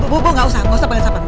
bu bu gak usah gak usah panggil satpam